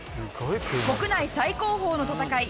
国内最高峰の戦い